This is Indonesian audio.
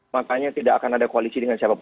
makanya tidak akan ada koalisi dengan siapapun